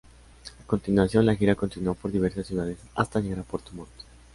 A continuación, la gira continuó por diversas ciudades hasta llegar a Puerto Montt.